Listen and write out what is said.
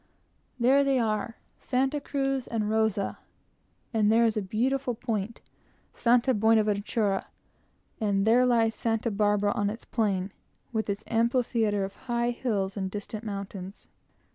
There they are, Santa Cruz and Santa Rosa; and there is the beautiful point, Santa Buenaventura; and there lies Santa Barbara on its plain, with its amphitheatre of high hills and distant mountains.